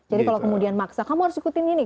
kalau kemudian maksa kamu harus ikutin ini